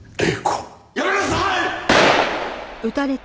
やめなさい！